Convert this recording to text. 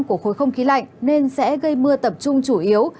của khối không khí lạnh nên sẽ gây mưa tập trung chủ yếu